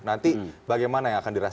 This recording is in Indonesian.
nanti bagaimana yang akan dirasakan